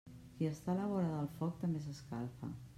Qui està a la vora del foc també s'escalfa.